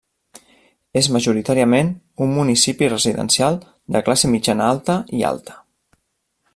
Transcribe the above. És majoritàriament un municipi residencial de classe mitjana-alta i alta.